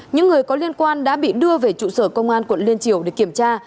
những người có liên quan đã bị đưa về trụ sở công an quận liên triều để kiểm tra